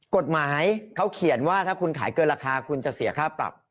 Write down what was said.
กฎหมายเขาเขียนว่าถ้าคุณขายเกินราคาคุณจะเสียค่าปรับ